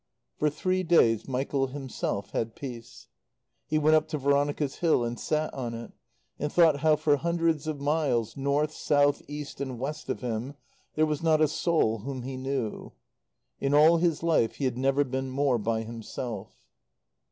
For three days Michael himself had peace. He went up to Veronica's hill and sat on it; and thought how for hundreds of miles, north, south, east and west of him, there was not a soul whom he knew. In all his life he had never been more by himself.